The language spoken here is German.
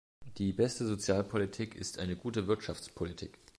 Die beste Sozialpolitik ist eine gute Wirtschaftspolitik.